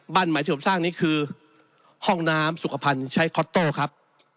หมายถึงผมสร้างนี่คือห้องน้ำสุขภัณฑ์ใช้คอตโต้ครับ